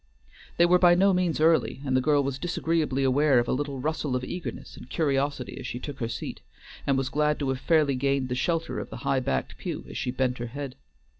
They were by no means early, and the girl was disagreeably aware of a little rustle of eagerness and curiosity as she took her seat, and was glad to have fairly gained the shelter of the high backed pew as she bent her head.